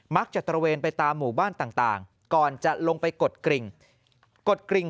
มักจะตระเวนไปตามหมู่บ้านต่างก่อนจะลงไปกดกริ่ง